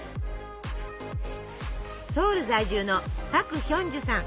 ソウル在住のパク・ヒョンジュさん。